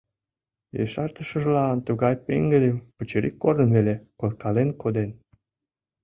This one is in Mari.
Ешартышыжлан тугай пеҥгыдым, пычырик корным веле коркален коден.